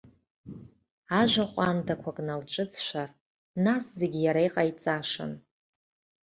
Ажәа ҟәандақәак налҿыҵшәар, нас зегь иара иҟаиҵашан.